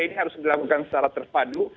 ini harus dilakukan secara terpadu